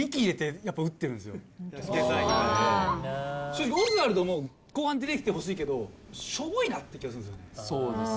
正直オズワルドも後半出てきてほしいけどしょぼいなって気がするんですよね。